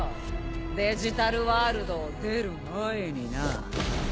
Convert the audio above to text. デジタルワールドを出る前になあ。